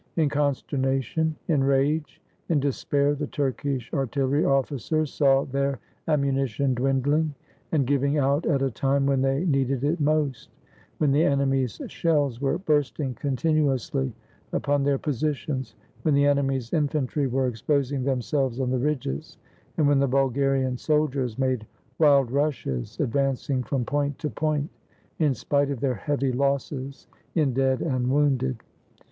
In consternation, in rage, in de spair, the Turkish artillery officers saw their ammuni tion dwindling and giving out at a time when they needed it most: when the enemy's shells were bursting continuously upon their positions, when the enemy's in fantry were exposing themselves on the ridges, and when the Bulgarian soldiers made wild rushes, advancing from point to point, in spite of their heavy losses in dead and wounded.